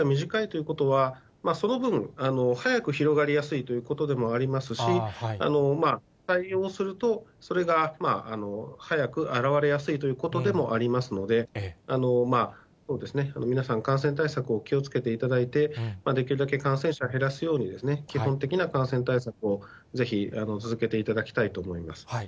短いということは、その分、早く広がりやすいということでもありますし、対応するとそれが早く表れやすいということでもありますので、皆さん、感染対策を気をつけていただいて、できるだけ感染者減らすように、基本的な感染対策をぜひ続けていただきたいと思います。